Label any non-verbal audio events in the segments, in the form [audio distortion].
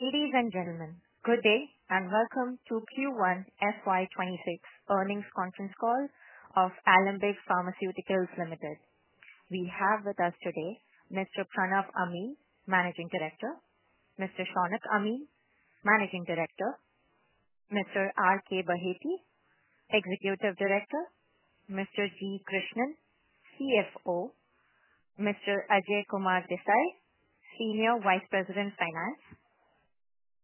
Ladies and gentlemen, good day and welcome to Q1 FY 2026 Earnings Conference Call of Alembic Pharmaceuticals Ltd. We have with us today Mr. Pranav Amin, Managing Director; Mr. Shaunak Amin, Managing Director; Mr. R. K. Baheti, Executive Director; Mr. G. Krishnan, CFO; Mr. Ajay Kumar Desai, Senior Vice President, Finance.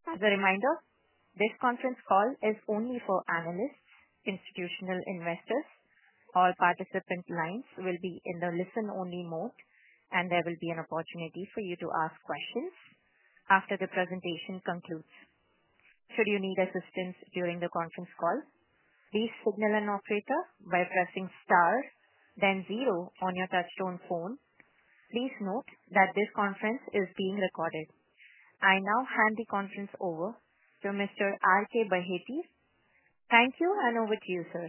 As a reminder, this conference call is only for analysts and institutional investors. All participant lines will be in the listen-only mode, and there will be an opportunity for you to ask questions after the presentation concludes. Should you need assistance during the conference call, please signal an operator by pressing star, then zero on your touch-tone phone. Please note that this conference is being recorded. I now hand the conference over to Mr. R. K. Baheti. Thank you, and over to you, sir.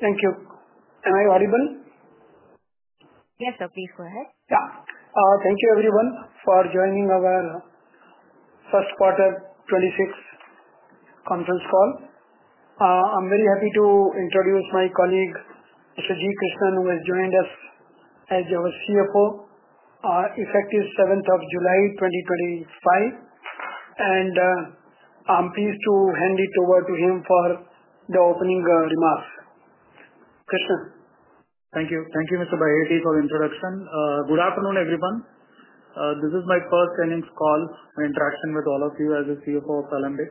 Thank you. Am I audible? Yes, sir, please go ahead. Thank you, everyone, for joining our first quarter 2026 conference call. I'm very happy to introduce my colleague, Mr. G. Krishnan, who has joined us as our CFO, effective 7th of July 2025. I'm pleased to hand it over to him for the opening remarks. Thank you. Thank you, Mr. Baheti, for the introduction. Good afternoon, everyone. This is my first earnings call, my interaction with all of you as a CFO of Alembic.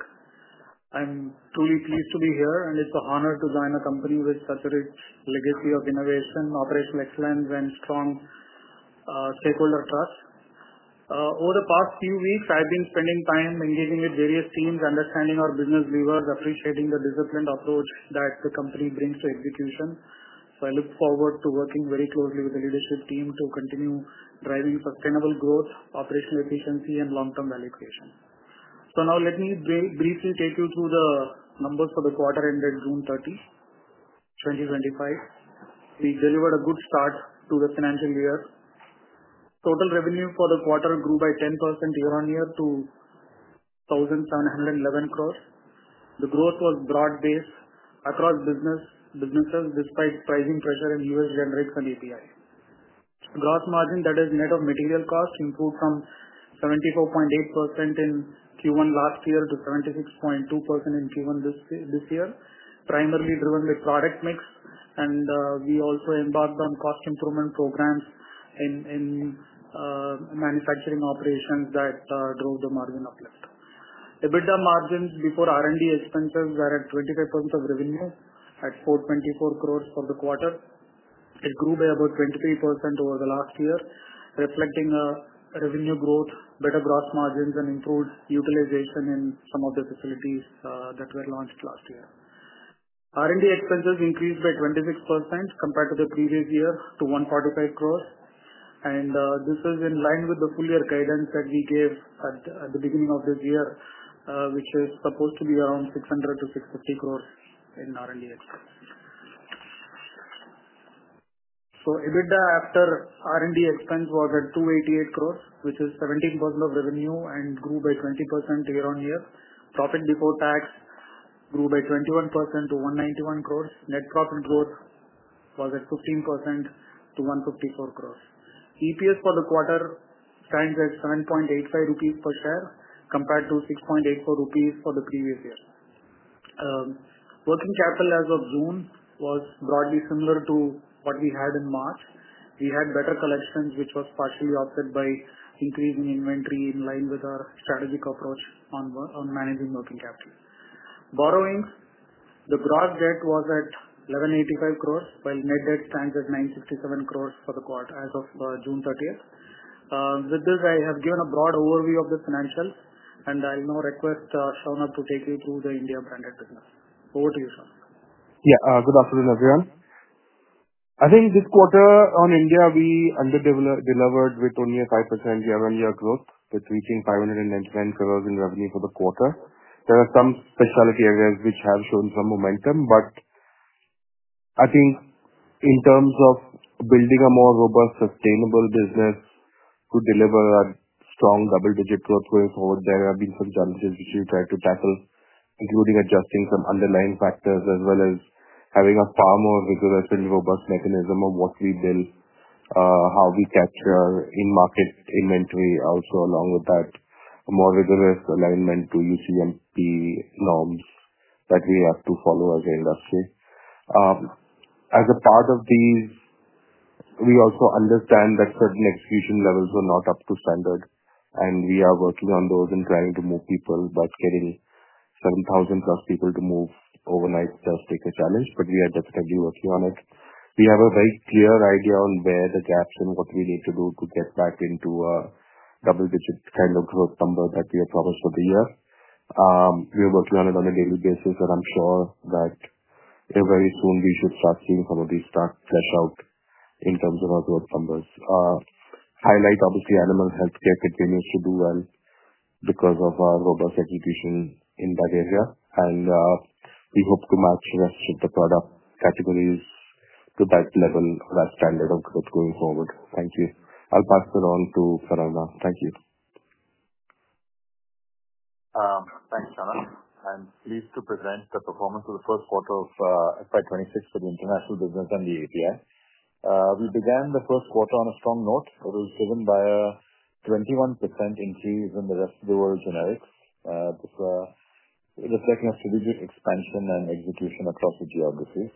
I'm truly pleased to be here, and it's an honor to join a company with such a rich legacy of innovation, operational excellence, and strong stakeholder trust. Over the past few weeks, I've been spending time engaging with various teams, understanding our business views, appreciating the disciplined approach that the company brings to execution. I look forward to working very closely with the leadership team to continue driving sustainable growth, operational efficiency, and long-term value creation. Now, let me briefly take you through the numbers for the quarter ended June 30, 2025. We delivered a good start to the financial year. Total revenue for the quarter grew by 10% year-on-year `to 1,711 crores. The growth was broad-based across businesses, despite pricing pressure in U.S. generics and API. The gross margin, that is, net of material costs, improved from 74.8% in Q1 last year to 76.2% in Q1 this year, primarily driven by product mix. We also embarked on cost improvement programs in manufacturing operations that drove the margin uplift. EBITDA margins before R&D expenses were at 25% of revenue at 424 crores for the quarter. It grew by about 23% over the last year, reflecting revenue growth, better gross margins, and improved utilization in some of the facilities that were launched last year. R&D expenses increased by 26% compared to the previous year to 145 crores. This is in line with the full-year guidance that we gave at the beginning of this year, which is supposed to be around 600-650 crores in R&D expense. EBITDA after R&D expense was at 288 crores, which is 17% of revenue and grew by 20% year-on-year. Profit before tax grew by 21% to 191 crores. Net profit growth was at 15% to 154 crores. EPS for the quarter stands at 7.85 rupees per share compared to 6.84 rupees per share for the previous year. Working capital as of June was broadly similar to what we had in March. We had better collections, which was partially offset by increasing inventory in line with our strategic approach on managing working capital. Borrowing, the gross debt was at 1,185 crores, while net debt stands at 967 crores for the quarter as of June 30th. With this, I have given a broad overview of the financials, and I'll now request Shaunak to take you through the India-branded business. Over to you, Shaunak. Yeah, good afternoon, everyone. I think this quarter on India, we under-delivered with only a 5% year-on-year growth, which reached 599 crores in revenue for the quarter. There are some specialty areas which have shown some momentum, but I think in terms of building a more robust, sustainable business to deliver a strong double-digit growth going forward, there have been some challenges which we tried to tackle, including adjusting some underlying factors as well as having a far more rigorous and robust mechanism of what we build, how we capture in-market inventory. Also, along with that, a more rigorous alignment to UCPMP norms that we have to follow as an industry. As a part of these, we also understand that certain execution levels are not up to standard, and we are working on those and trying to move people, but getting 7,000+ people to move overnight does take a challenge, but we are definitely working on it. We have a very clear idea on where the gaps and what we need to do to get back into a double-digit kind of growth number that we have promised for the year. We are working on it on a daily basis, and I'm sure that very soon we should start seeing some of these stats set out in terms of our growth numbers. I highlight, obviously, animal healthcare continues to do well because of our robust execution in that area, and we hope to match the rest of the product categories to that level or that standard of growth going forward. Thank you. I'll pass it on to Pranav. Thank you. Thanks, Shaunak. Pleased to present the performance of the first quarter of FY 2026 for the international business and the API. We began the first quarter on a strong note. It was driven by a 21% increase in the rest of the world's generics. It reflects a significant expansion in execution across the geographies.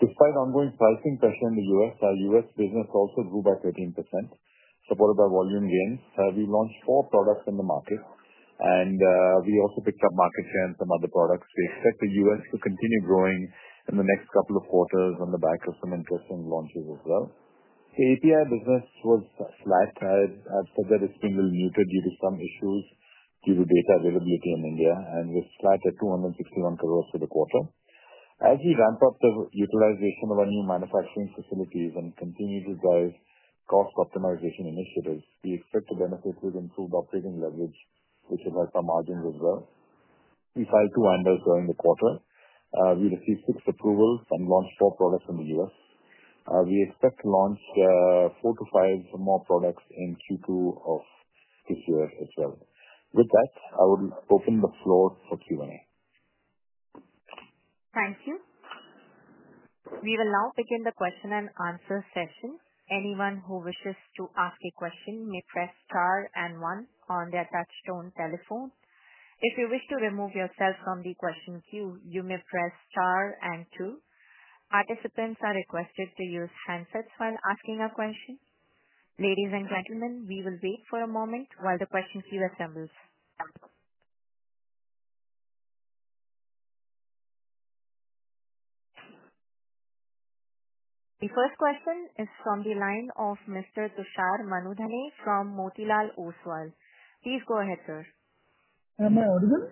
Despite ongoing pricing pressure in the U.S., our U.S. business also grew by 13%, supported by volume gains. We launched four products in the market, and we also picked up market share in some other products. We expect the U.S. to continue growing in the next couple of quarters on the back of some interesting launches as well. The API business was flat, as I've said, that it's been a little neutral due to some issues due to data availability in India, and was flat at 261 crores for the quarter. As we ramp up the utilization of our new manufacturing facilities and continue to drive cost optimization initiatives, we expect to benefit with improved operating leverage, which will help our margins as well. We filed two ANDAs during the quarter. We received six approvals and launched four products in the U.S. We expect to launch four to five more products in Q2 of this year as well. With that, I will open the floor for Q&A. Thank you. We will now begin the question-and-answer session. Anyone who wishes to ask a question may press star and one on their touch-tone telephone. If you wish to remove yourself from the question queue, you may press star and two. Participants are requested to use handsets while asking a question. Ladies and gentlemen, we will wait for a moment while the question queue assembles. The first question is from the line of Mr. Tushar Manudhane from Motilal Oswal. Please go ahead, sir. Am I audible?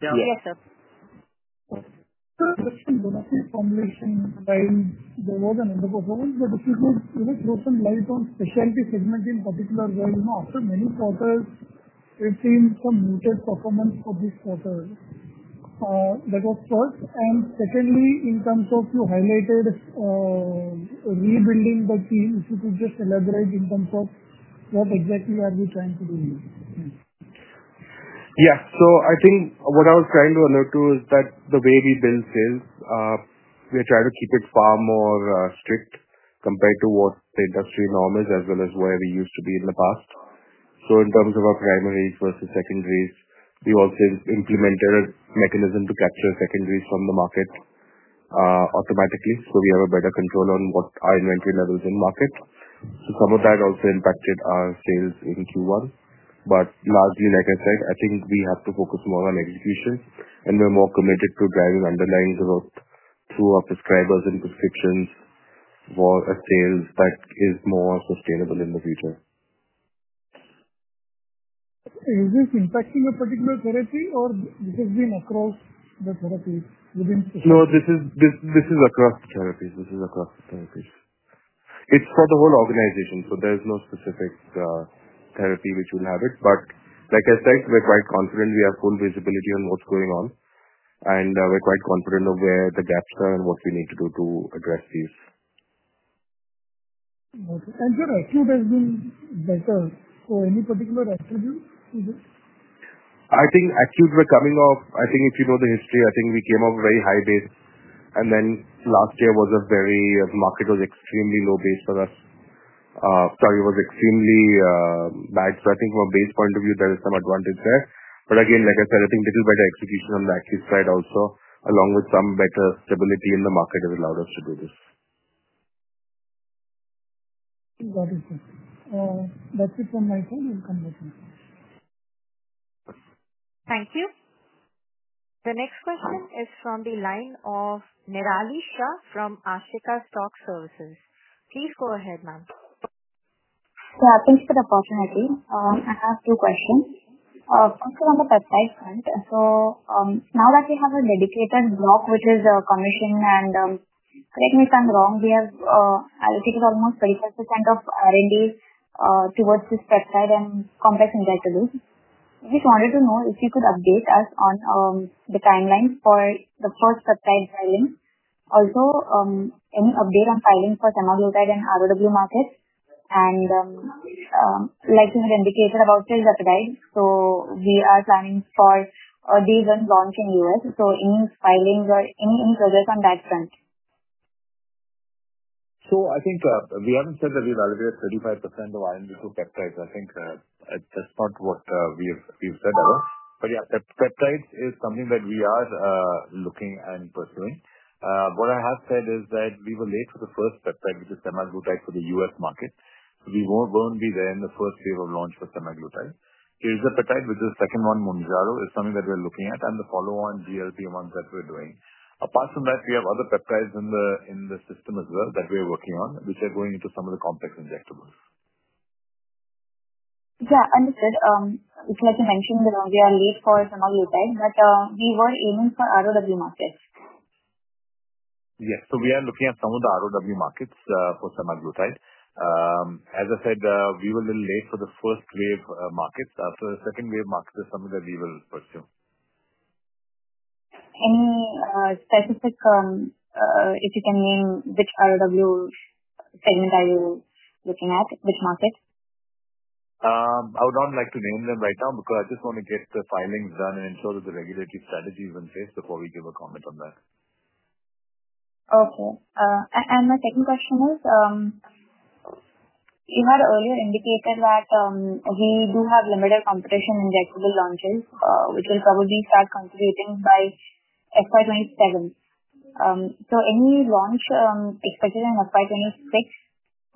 Yeah. Yes, sir. Sir, just on domestic formulation while there as an underperformance, but if you could throw some light on the specialty segment in particular while after many quarters, we have seen some muted performance for this quarter. That was first. And secondly, in terms of you highlighted rebuilding the team. If you could just elaborate in terms of what exactly are you trying to do here? Yeah. I think what I was trying to allude to is that the way we build sales, we try to keep it far more strict compared to what the industry norm is as well as where we used to be in the past. In terms of our primaries versus secondaries, we've also implemented a mechanism to capture secondaries from the market automatically, so we have better control on what our inventory levels in the market. Some of that also impacted our sales in Q1. Largely, like I said, I think we have to focus more on execution, and we're more committed to driving underlying growth through our prescribers and prescriptions for a sales that is more sustainable in the future. Is this impacting a particular therapy, or this has been across the therapies within? This is across the therapies. This is across the therapies. It's for the whole organization. There's no specific therapy which will have it. Like I said, we're quite confident we have full visibility on what's going on, and we're quite confident of where the gaps are and what we need to do to address these. Acute has been better. So any particular attributes to this? I think acute, we're coming off. If you know the history, I think we came off a very high base, and then last year the market was extremely low base for us. Sorry, it was extremely bad. From a base point of view, there is some advantage there. Again, like I said, I think a little better execution on the acute side also, along with some better stability in the market, has allowed us to do this. Got it, sir. That's it from my call. I'll come back in the queue. Thank you. The next question is from the line of Nirali Shah from Ashika Stock Services. Please go ahead, ma'am. Yeah, thanks for the opportunity. I have two questions. First, from the peptide front, now that we have a dedicated block, which is commissioned, and correct me if I'm wrong, we have allocated almost 35% of R&D towards this peptide and complex injectables. We just wanted to know if you could update us on the timelines for the first peptide filing. Also, any update on filing for semaglutide and ROW markets? Like you had indicated about tirzepatide, we are planning for a day one launch in the U.S. Any filings or any inventory on that front? I think we haven't said that we've allocated 35% of R&D to peptides. I think it's just not what we've said ever. Yeah, peptides is something that we are looking and pursuing. What I have said is that we were late for the first peptide, which is semaglutide for the U.S. market. We won't be there in the first wave of launch for semaglutide. Tirzepatide, which is the second one, Mounjaro is something that we're looking at, and the follow-on GLP-1s that we're doing. Apart from that, we have other peptides in the system as well that we're working on, which are going into some of the complex injectables. Yeah, understood. It's like you mentioned we are late for semaglutide, but we were aiming for ROW markets. Yeah, so we are looking at some of the ROW markets for semaglutide. As I said, we were a little late for the first wave markets. After the second wave markets, it's something that we will pursue. Any specific, if you can name which ROW segment are you looking at, which market? I would not like to name them right now because I just want to get the filings done and ensure that the regulatory strategy is in place before we give a comment on that. Okay. My second question is, you had earlier indicated that we do have limited competition in injectable launches, which will probably start contributing by FY 2027. Any launch expected in FY 2026,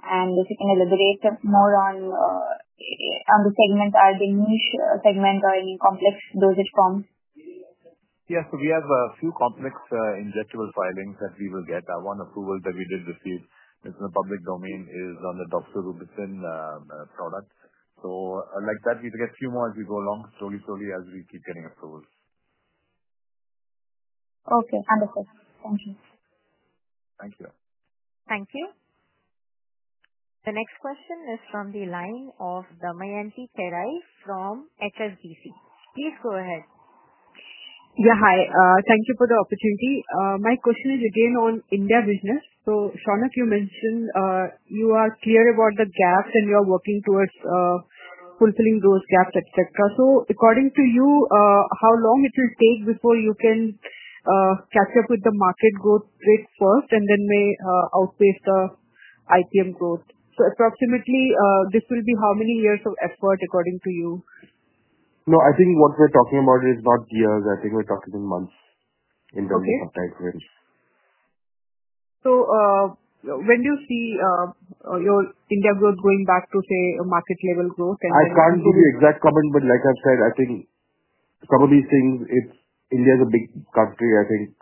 and if you can elaborate more on the segments, are they niche segments or any complex dosage forms? Yes, we have a few complex injectable filings that we will get. One approval that we did receive in the public domain is on the doxorubicin product. Like that, we'll get a few more as we go along slowly as we keep getting approvals. Okay, understood. Thank you. Thank you. Thank you. The next question is from the line of Dhammayanti Kerai from HSBC. Please go ahead. Yeah, hi. Thank you for the opportunity. My question is again on India business. Shaunak, you mentioned you are clear about the gaps and you are working towards fulfilling those gaps, etc. According to you, how long will it take before you can catch up with the market growth rates first and then may outpace the IPM growth? Approximately, this will be how many years of effort according to you? No, I think what we're talking about is not years. I think we're talking in months in terms of timeframes. When do you see your India growth going back to, say, a market-level growth? I can't do the exact comment, but like I've said, I think probably seeing India is a big country, I think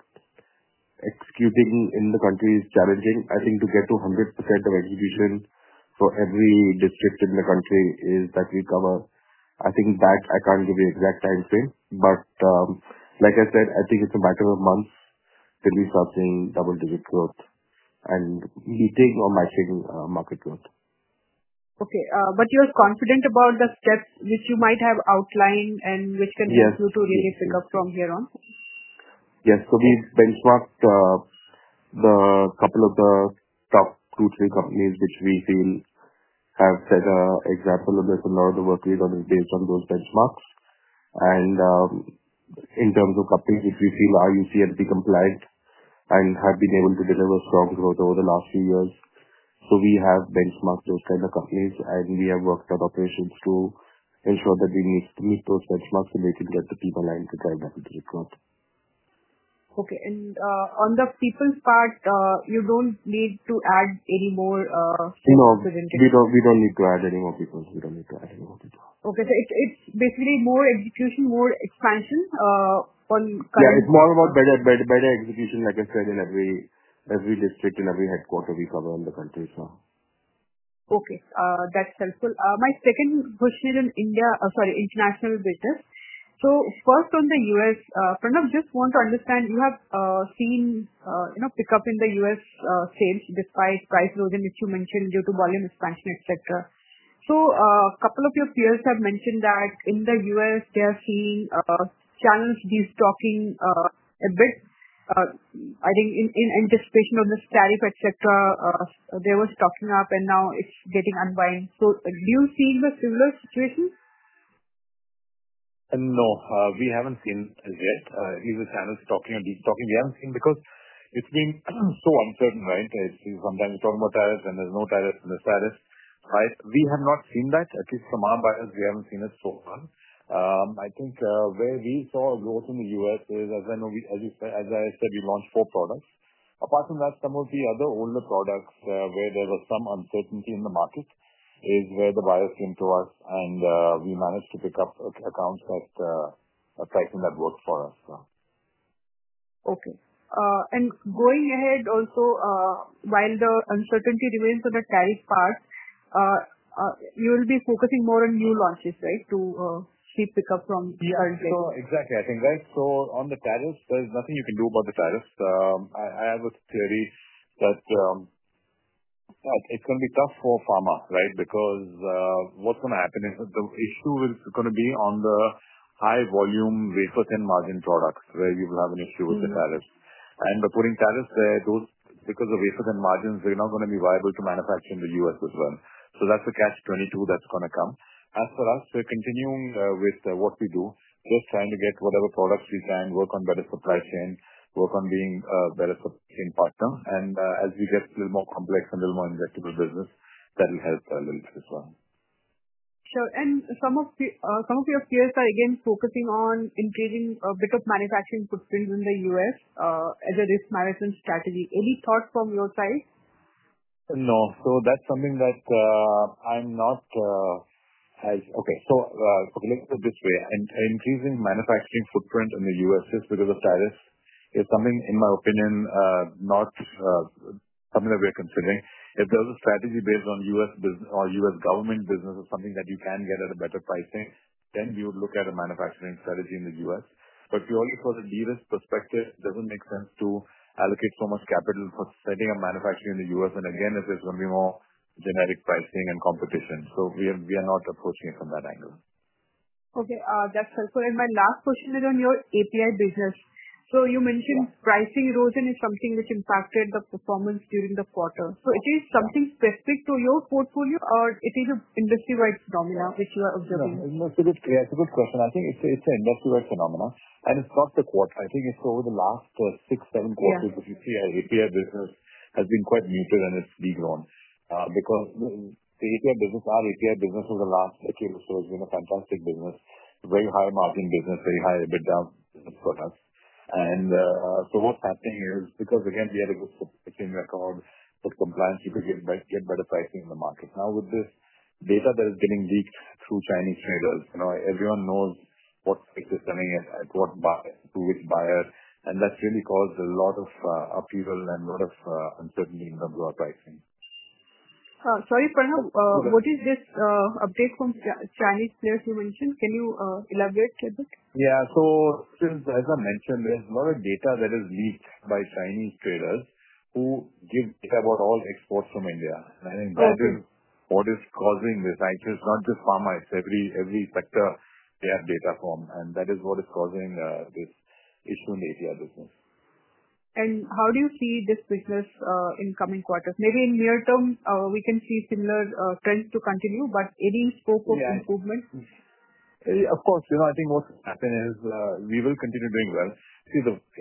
executing in the country is challenging. I think to get to 100% of execution for every district in the country that we cover, I can't give you an exact timeframe, but like I said, I think it's a matter of months to be something double-digit growth and beating or matching market growth. Okay, you're confident about the steps which you might have outlined and which can help you to really pick up from here on? Yes. We benchmarked a couple of the top two, three companies which we feel have set an example of this, and a lot of the work we've done is based on those benchmarks. In terms of companies, if we feel are UCMP compliant and have been able to deliver strong growth over the last few years, we have benchmarked those kinds of companies. We have worked on operations to ensure that we meet those benchmarks so they can get to keep aligned with our double-digit market. Okay. On the people's part, you don't need to add any more? No, we don't need to add any more people. We don't need to add any more people. Okay, it's basically more execution, more expansion on kind of? Yeah, it's more about better execution, like I said, in every district, in every headquarter we cover in the country. Okay. That's helpful. My second question is in India, sorry, international business. First on the U.S., Pranav, just want to understand, you have seen a pickup in the U.S. sales despite price erosion and, as you mentioned, due to volume expansion, etc. A couple of your peers have mentioned that in the U.S., they are seeing challenges talking a bit. I think in anticipation of the tariff, etc., there was a stocking up, and now it's getting unwinding. Do you see a similar situation? No, we haven't seen it yet. Either channels stocking or de-stocking, we haven't seen because it's been so uncertain, right? I see sometimes we're talking about tariffs, and there's no tariffs, and there's tariffs, right? We have not seen that. At least from our buyers, we haven't seen it so far. I think where we saw growth in the U.S. is, as I know, as you said, as I said, we launched four products. Apart from that, some of the other older products where there was some uncertainty in the market is where the buyers came to us, and we managed to pick up accounts at a pricing that worked for us. Okay. Going ahead, also, while the uncertainty remains on the tariff part, you will be focusing more on new launches, right, to keep pickup from? Exactly. I think, right. On the tariffs, there's nothing you can do about the tariffs. I have a theory that it's going to be tough for pharma, right, because what's going to happen is the issue is going to be on the high-volume wafer-thin margin products where you will have an issue with the tariffs. By putting tariffs there, those, because of wafer-thin margins, they're not going to be viable to manufacture in the U.S. as well. That's a catch-22 that's going to come. As for us, we're continuing with what we do. We're just trying to get whatever products we can, work on better supply chain, work on being a better supply chain partner. As we get a little more complex and a little more injectable business, that will help a little bit as well. Some of your peers are, again, focusing on engaging a bit of manufacturing footprint in the U.S. as a risk management strategy. Any thoughts from your side? No. That's something that I'm not, okay, let's put it this way. Increasing manufacturing footprint in the U.S. because of tariffs is something in my opinion, it's not something that we're considering. If there's a strategy based on U.S. business or U.S. government business, or something that you can get at a better pricing, then you would look at a manufacturing strategy in the U.S. But purely for the de-risk perspective, it doesn't make sense to allocate so much capital for setting up manufacturing in the U.S. If there's going to be more generic pricing and competition, we are not approaching it from that angle. Okay. That's helpful. My last question is on your API business. You mentioned pricing rose is something which impacted the performance during the quarter. Is it something specific to your portfolio, or is it an industry-wide phenomena which you are observing? No, it's a good question. I think it's an industry-wide phenomena, and it's across the quarter. I think it's over the last six, seven quarters, as you see, our API business has been quite muted on its degrown because the API business, our API business over the last three years, has been a fantastic business, very high margin business, very high EBITDA for us. What's happening is, because again, we had a good footprint in the account for compliance, you could get better pricing in the market. Now, with this data that is getting leaked through Chinese traders, now everyone knows what stick is selling and to which buyer. That's really caused a lot of upheaval and a lot of uncertainty in the broad pricing. Sorry, Pranav, what is this update from Chinese players you mentioned? Can you elaborate a bit? Yeah. As I mentioned, there's a lot of data that is leaked by Chinese traders who give data about all exports from India. I think that is what is causing this. It's not just pharma. It's every sector they have data from, and that is what is causing this issue in the API business. How do you see this business in the coming quarters? Maybe in the near term, we can see similar trends continue, but any scope of improvement? Of course. I think what's happened is we will continue doing well.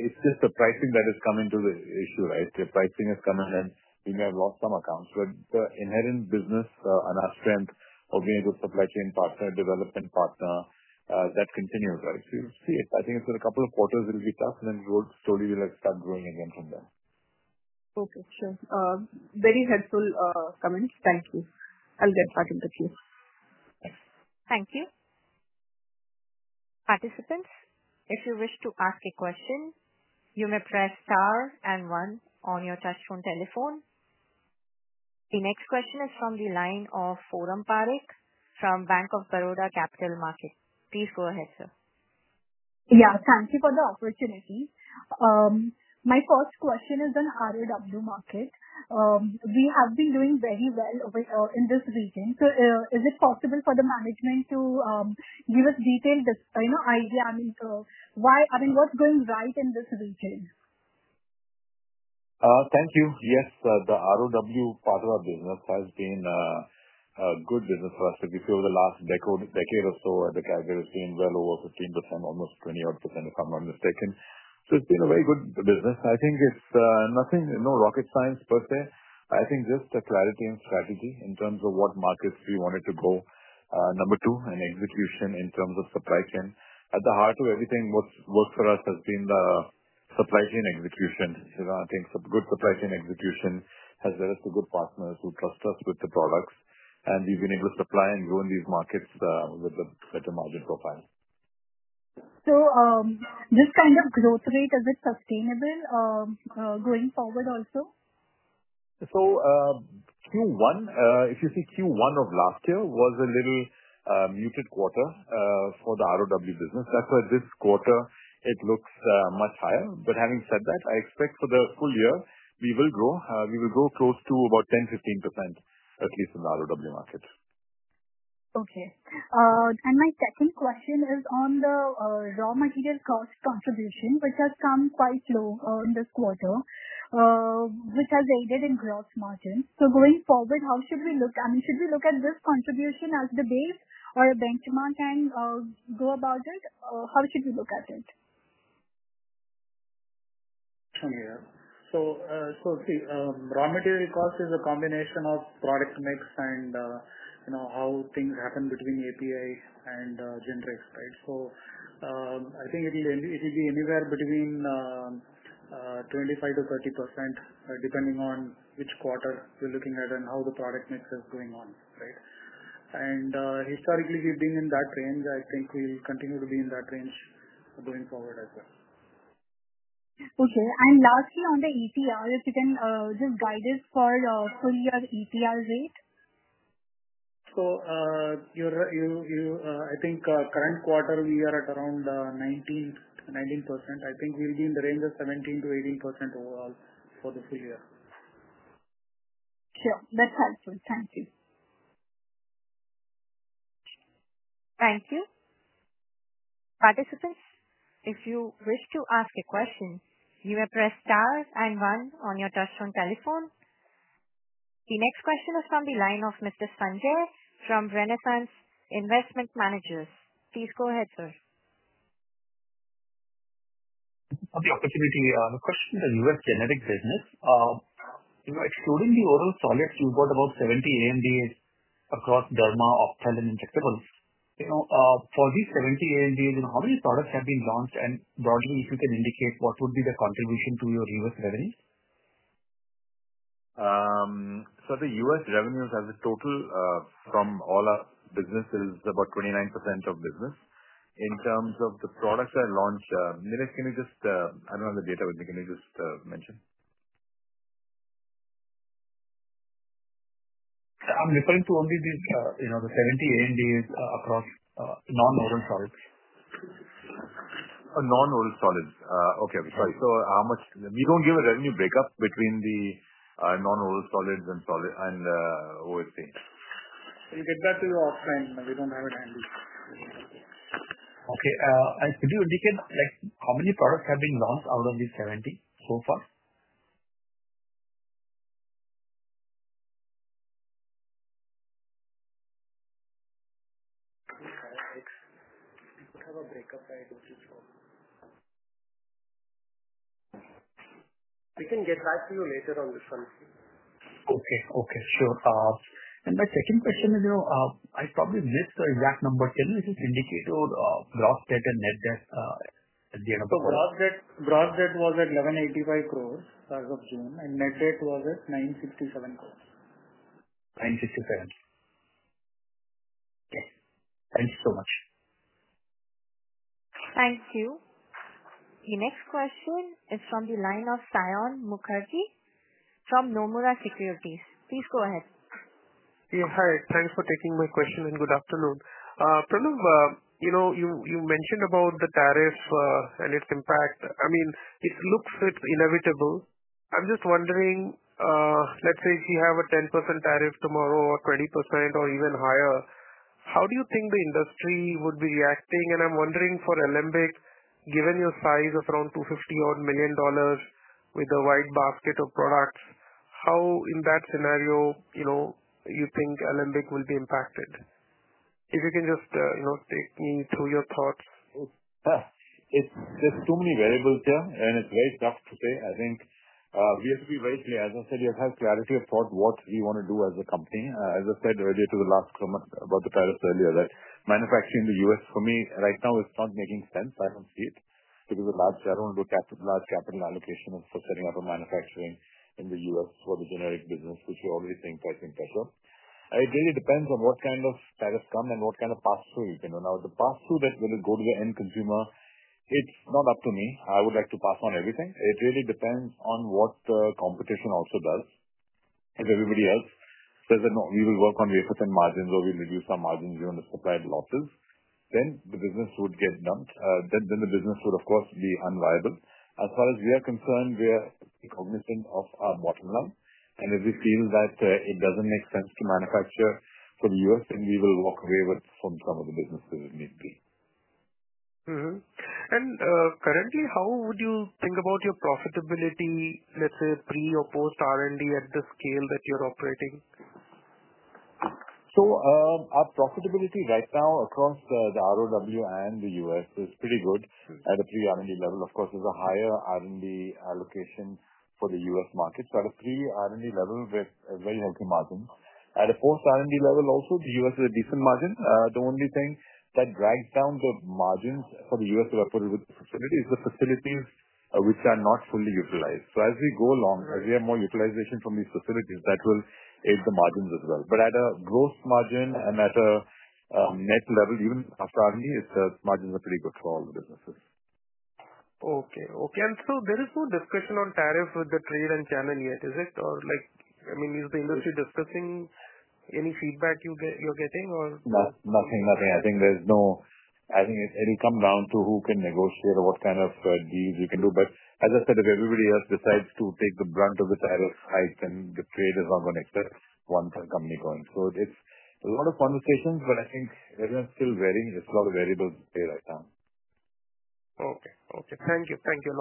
It's just the pricing that is coming to the issue, right? The pricing is coming in. We may have lost some accounts, but the inherent business and our strength of being a good supply chain partner, development partner, that continues, right? I think it's in a couple of quarters, it'll be tough, and then slowly we'll start growing again from there. Okay. Sure. Very helpful comments. Thank you. I'll get back in the queue. Thank you. Participants, if you wish to ask a question, you may press star and one on your touch-tone telephone. The next question is from the line of Foram Parekh from Bank of Baroda Capital Markets. Please go ahead, sir. Yeah, thank you for the opportunity. My first question is on ROW markets. We have been doing very well in this region. Is it possible for the management to give us a detailed idea? I mean, what's going right in this region? Thank you. Yes, the ROW part of the business has been a good business for us. If you feel over the last decade or so, the CAGR has seen well over 15%, almost 20% odd, if I'm not mistaken. It's been a very good business. I think it's nothing, no rocket science per se. I think just the clarity and strategy in terms of what markets we wanted to go, number two, and execution in terms of supply chain. At the heart of everything that's worked for us has been the supply chain execution. I think good supply chain execution has led us to good partners who trust us with the products, and we've been able to supply and grow in these markets with a better market profile. Is this kind of growth rate sustainable going forward also? Q1 of last year was a little muted quarter for the ROW business. That's why this quarter it looks much higher. Having said that, I expect for the full year we will grow. We will grow close to about 10%-15%, at least in the ROW market. Okay. My second question is on the raw material cost contribution, which has come quite low in this quarter, which has aided in gross margin. Going forward, how should we look? I mean, should we look at this contribution as the base or a benchmark and go above it? How should we look at it? Raw material cost is a combination of product mix and you know how things happen between API and generics, right? I think it will be anywhere between 25%-30% depending on which quarter we're looking at and how the product mix is going on, right? Historically, we've been in that range. I think we'll continue to be in that range going forward as well. Okay. Lastly, on the API, if you can just guide us for the full year API rate. I think current quarter we are at around 19%. I think we'll be in the range of 17%-18% overall for the full year. That's helpful. Thank you. Thank you. Participants, if you wish to ask a question, you may press star and one on your touch-tone telephone. The next question is from the line of Mrs. Sanjay from Renaissance Investment Managers. Please go ahead, sir. Thank you for the opportunity. The question is in the U.S. generic business. If you're excluding the oral solids, we've got about 70 ANDAs across derma, ophthalmic, and injectables. For these 70 ANDAs, how many products have been launched, and broadly, if you can indicate what would be the contribution to your U.S. revenues? The U.S. revenues as a total from all our businesses is about 29% of business. In terms of the products that are launched, can you just, I don't have the data, but can you just mention? I'm referring to only these, you know, the 70 ANDAs across non-oral solids. Non-oral solids. Okay. Sorry. How much? You don't give a revenue breakup between the non-oral solids and OHCs? We will get back to you offline. We don't have it handy. Okay. Could you indicate how many products have been launched out of these 70 so far? We can get back to you later on this one. Okay. Sure. My second question is, you know, I probably missed your exact number. Can you indicate your gross debt and net debt at the end of the quarter? Gross debt was at 1,185 crores as of June, and net debt was at 967 crores. Thank you so much. Thank you. The next question is from the line of Saion Mukherjee from Nomura Securities. Please go ahead. Yes, hi. Thanks for taking my question and good afternoon. Pranav, you mentioned about the tariff and its impact. It looks it's inevitable. I'm just wondering, if you have a 10% tariff tomorrow or 20% or even higher, how do you think the industry would be reacting? I'm wondering for Alembic, given your size of around $250 odd million with a wide basket of products, how in that scenario you think Alembic will be impacted? If you can just take me through your thoughts. It's just too many variables there, and it's very tough to say. I think we have to be very clear. As I said, you have to have clarity of what we want to do as a company. As I said earlier to the last prompt about the tariffs earlier, that manufacturing in the U.S. for me right now is not making sense. I don't see it because of large shareholder capital, large capital allocation for setting up a manufacturing in the U.S. for the generic business, which we already think I think is better. It really depends on what kind of tariffs come and what kind of pass-through you can. Now, the pass-through that will go to the end consumer, it's not up to me. I would like to pass on everything. It really depends on what the competition also does. If everybody else, they said, "No, we will work on wafer-thin margins or we'll reduce our margins [we're on the supplied losses]," the business would get dumped. The business would, of course, be unviable. As far as we are concerned, we are cognizant of our bottom line. If we feel that it doesn't make sense to manufacture for the U.S., we will walk away from some of the businesses if need be. Currently, how would you think about your profitability, let's say, pre or post R&D at the scale that you're operating? Our profitability right now across the ROW and the U.S. is pretty good at a pre-R&D level. Of course, there's a higher R&D allocation for the U.S. market. At a pre-R&D level, we're very healthy margin. At a post-R&D level, also, the U.S. has a decent margin. The only thing that drags down the margins for the U.S. is we're operating with facilities, the facilities which are not fully utilized. As we go along, as we have more utilization from these facilities, that will aid the margins as well. At a gross margin and at a net level, even after R&D, the margins are pretty good for all the businesses. Okay. There is no discussion on tariff with the trade and channel yet, is it? I mean, is the industry discussing any feedback you're getting, or? Nothing. I think it'll come down to who can negotiate or what kind of deals you can do. As I said, if everybody else decides to take the brunt of the tariff hike, then the trade is not going to accept one company going. It's a lot of conversations, but I think everyone's still varying. There's a lot of variables there right now. Okay. Thank you. Thank you.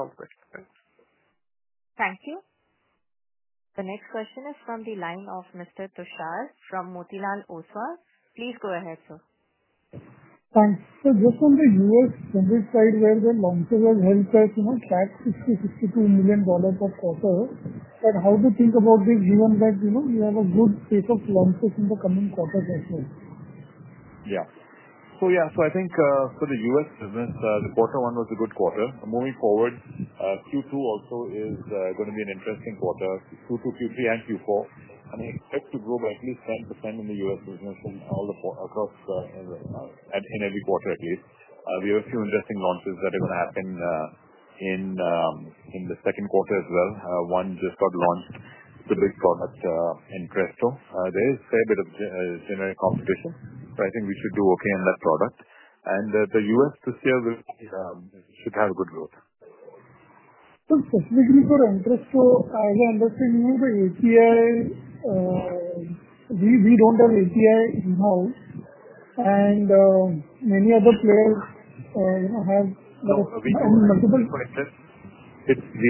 [audio distortion] Thank you. The next question is from the line of Mr. Tushar from Motilal Oswal. Please go ahead, sir. Thanks. Sir, just on the U.S. service side, where the launches are very tight, it's at $60 million-62 million per quarter. How do you think about this given that you have a good pick of launches in the coming quarters as well? Yeah. I think for the US business, the quarter one was a good quarter. Moving forward, Q2 also is going to be an interesting quarter, Q2, Q3, and Q4. I expect to grow roughly 10% in the US business in all the across right now in every quarter, at least. We have a few interesting launches that are going to happen in the second quarter as well. One just got launched, the big product Entresto. There is a fair bit of generic competition. I think we should do okay on that product. The U.S., this year should have a good growth. Specifically, for Entresto, as I understand, you have the API. We don't have API in-house, and many other players have. [audio distortion] We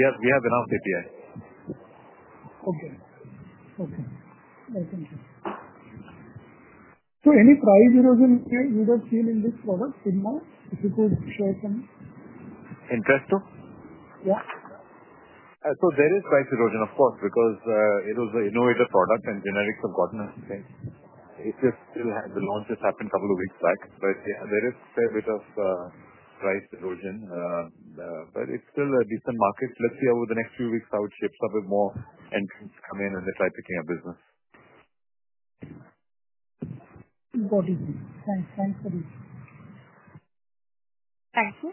have in-house API. Okay. Thank you. Any price erosion we have seen in this product in-house? If you could share some? Entresto? Yeah. There is price erosion, of course, because it was an innovator product and generics have gotten a fix. It just still had the launches happen a couple of weeks back. I say there is a fair bit of price erosion, but it's still a decent market. Let's see over the next few weeks how it shifts a bit more and comes in and we try picking our business. Got it. Thanks for the information. Thank you.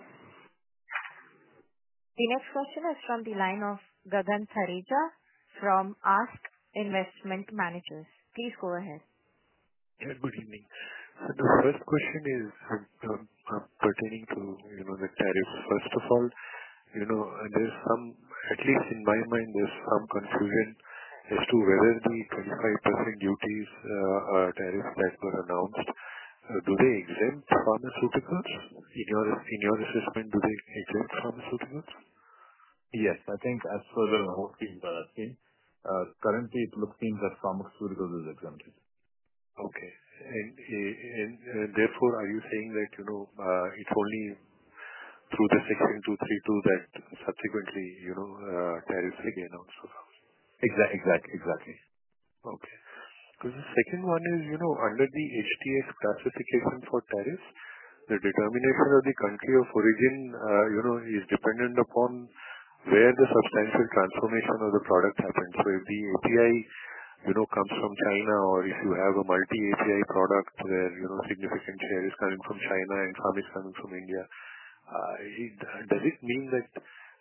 The next question is from the line of Gagan Thareja from ASK Investment Managers. Please go ahead. Yes, good evening. The first question is pertaining to the tariffs. First of all, you know, there's some, at least in my mind, there's some confusion as to whether the 25% duties tariffs that were announced. Do they exempt the pharmaceuticals? In your assessment, do they exempt pharmaceuticals? Yes, I think as per the whole team that I've seen, currently, it looks to me that pharmaceuticals are exempted. Okay. Therefore, are you saying that you know it's only through the Section 232 that subsequently, you know, tariffs will be announced? Exactly, exactly. Okay. The second one is, you know, under the HTS classification for tariffs, the determination of the country of origin, you know, is dependent upon where the substantial transformation of the products happens. If the API comes from China or if you have a multi-API product where, you know, significantly there is coming from China and some is coming from India, does it mean that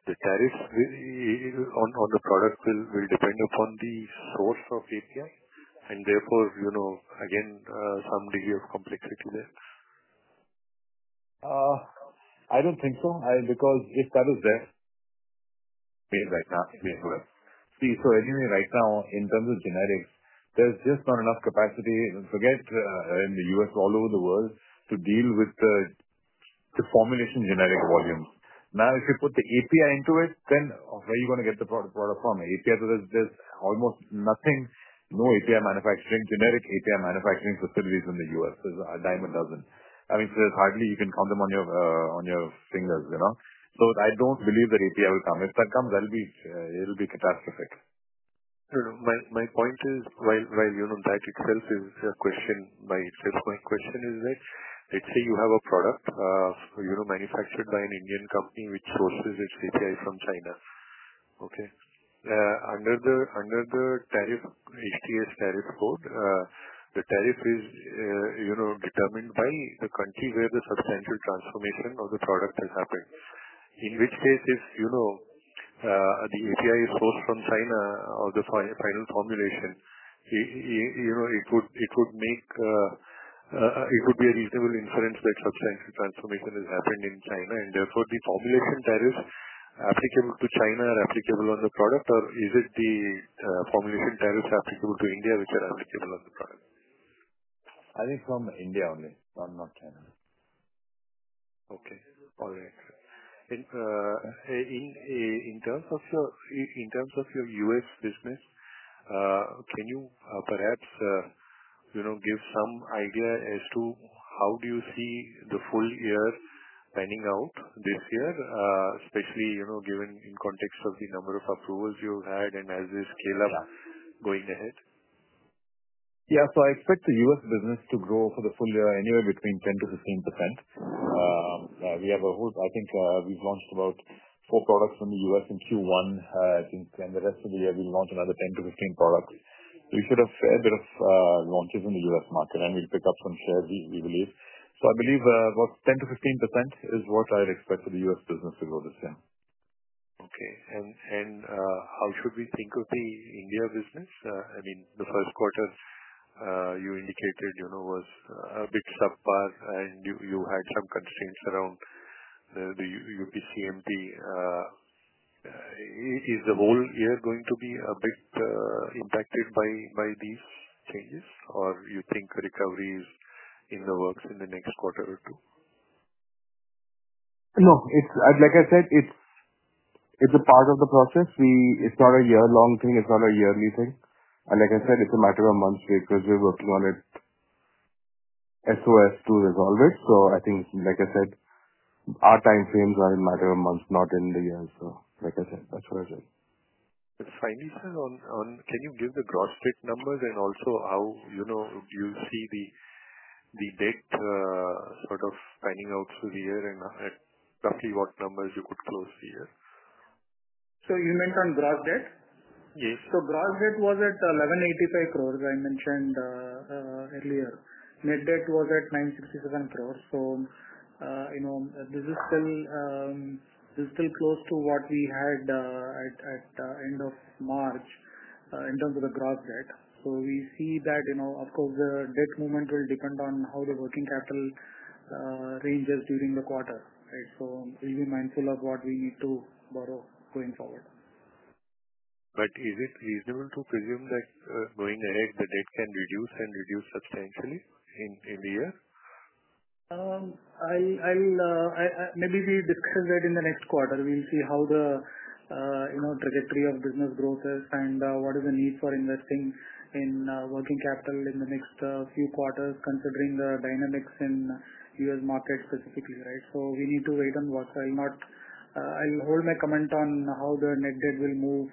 the tariffs on the product will depend upon the growth of API and therefore, you know, again, some degree of complexity there? I don't think so because if that is there, It is right now in the US. See, anyway, right now, in terms of generics, there's just not enough capacity. Forget in the U.S., all over the world, to deal with the formulation generic volumes. If you put the API into it, then where are you going to get the product from? API, there's almost nothing. No API manufacturing, generic API manufacturing facilities in the U.S. There's a dime a dozen. I mean, so there's hardly you can count them on your fingers, you know. I don't believe that API will come. If that comes, it'll be catastrophic. My point is, while you know that itself is a question by itself, my question is that let's say you have a product, you know, manufactured by an Indian company which purchases its API from China. Under the HTS tariff code, the tariff is, you know, determined by the country where the substantial transformation of the product has happened. In which case, if you know, the API is sourced from China or the final formulation, you know, it would make, it would be a reasonable inference that substantial transformation has happened in China. Therefore, the formulation tariffs applicable to China are applicable on the product, or is it the formulation tariffs applicable to India, which are applicable on the product? I think from India only, not China. Okay. All right. In terms of your U.S. business, can you perhaps, you know, give some idea as to how do you see the full year panning out this year, especially, you know, given in context of the number of approvals you've had and as this scale-up going ahead? Yeah. I expect the U.S. business to grow for the full year anywhere between 10%-15%. We have a whole, I think we've launched about four products in the U.S. in Q1, I think. The rest of the year, we'll launch another 10-15 products. We should have a fair bit of launches in the U.S. market, and we'll pick up some shares, we believe. I believe about 10%-15% is what I'd expect for the U.S. business to grow this year. Okay. How should we think of the India business? I mean, the first quarter, you indicated, you know, was a bit tougher, and you had some constraints around the UPCMP. Is the whole year going to be a bit impacted by these changes, or do you think a recovery is in the works in the next quarter or two? No, it's, like I said, it's a part of the process. It's not a year-long thing. It's not a yearly thing. Like I said, it's a matter of months because we're working on it SOS to resolve it. I think, like I said, our timeframes are in a matter of months, not in the year. Like I said, that's what I said. Can you give the gross debt numbers and also how, you know, you see the debt sort of panning out through the year and roughly what numbers you could throw here? You meant on gross debt? Yes. Gross debt was at 1,185 crores, as I mentioned earlier. Net debt was at 967 crores. This is still close to what we had at the end of March in terms of the gross debt. We see that, of course, the debt movement will depend on how the working capital ranges during the quarter. We'll be mindful of what we need to borrow going forward. Is it reasonable to presume that, going ahead, the debt can reduce and reduce substantially in the year? Maybe we discuss that in the next quarter. We see how the trajectory of business growth is and what is the need for investing in working capital in the next few quarters considering the dynamics in the U.S. market specifically, right? We need to wait on what. I'll hold my comment on how the net debt will move,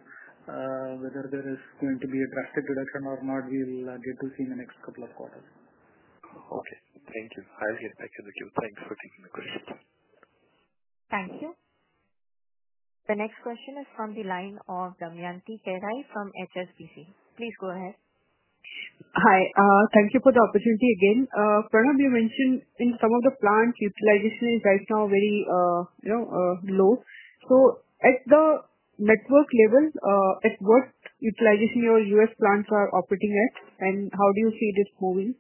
whether there is going to be a drastic reduction or not. We'll get to see in the next couple of quarters. Okay. Thank you. I'll get back to the queue. Thank you for taking the question. Thank you. The next question is from the line of Damayanti Kerai from HSBC. Please go ahead. Hi. Thank you for the opportunity again. Pranav, you mentioned in some of the plants, utilization is right now very, you know, low. At the network level, at what utilization are your U.S. plants operating, and how do you see this moving?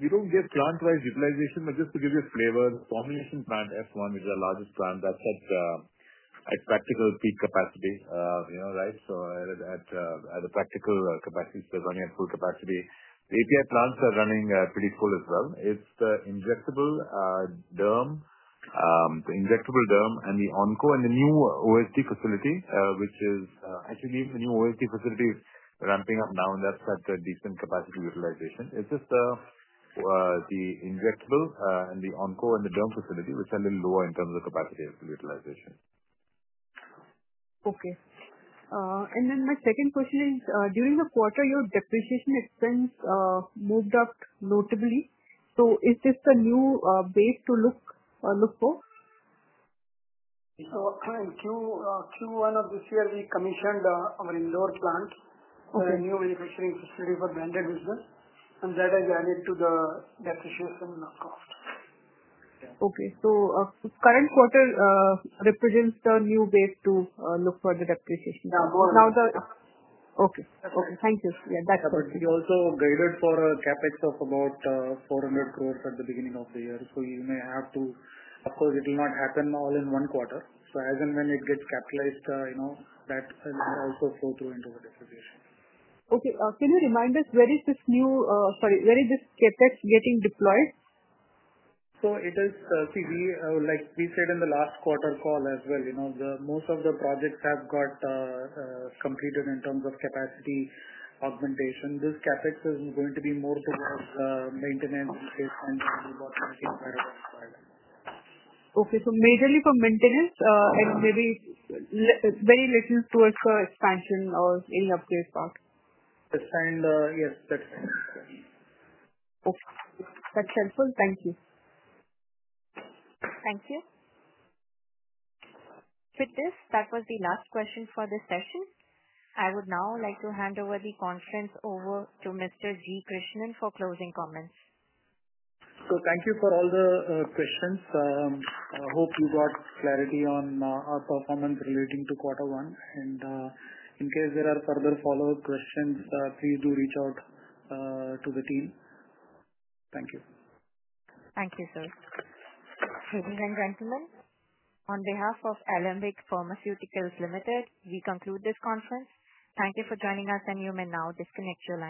You don't get plant-wise utilization, but just to give you a flavor, formulation plant F1 is the largest plant that's at practical peak capacity, right? At the practical capacity, they're running at full capacity. The API plants are running pretty cool as well. It's the injectable, derm, and the onco, and the new OSD facility, which is actually the new OSD facility is ramping up now, and that's at a decent capacity utilization. It's just the injectable and the onco and the derm facility which are a little lower in terms of capacity utilization. Okay. My second question is, during the quarter, your depreciation expense moved up notably. Is this a new base to look for? Q1 of this year, we commissioned our indoor plants, the new manufacturing facility for the branded business. That has added to the depreciation cost. Okay. The current quarter represents the new base to look for the depreciation number. Now the. Yes. Okay. Thank you. Yeah, that's good. We also guided for a CAPEX of about 400 crores at the beginning of the year. It will not happen all in one quarter. As and when it gets capitalized, that will also flow through into the depreciation. Okay. Can you remind us where is this new, sorry, where is this capital expenditure getting deployed? As we said in the last quarter call as well, most of the projects have got completed in terms of capacity augmentation. This CAPEX is going to be more towards maintenance, replacement, and debottlenecks wherever required. Okay. It's majorly for maintenance, and maybe it's very related towards the expansion or in the upgrade part? Yes, that's right. Okay. That's helpful. Thank you. Thank you. With this, that was the last question for the session. I would now like to hand over the conference over to Mr. G. Krishnan for closing comments. Thank you for all the questions. I hope you got clarity on our performance relating to quarter one. In case there are further follow-up questions, please do reach out to the team. Thank you. Thank you, sir. Ladies and gentlemen, on behalf of Alembic Pharmaceuticals Ltd., we conclude this conference. Thank you for joining us, and you may now disconnect your lines.